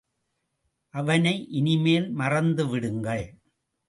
அவனை இனிமேல் மறந்துவிடுங்கள்.